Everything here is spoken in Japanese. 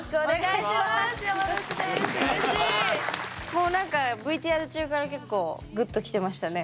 もう何かＶＴＲ中から結構グッときてましたね。